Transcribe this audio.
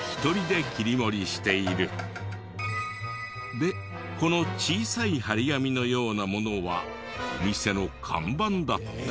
でこの小さい貼り紙のようなものはお店の看板だった。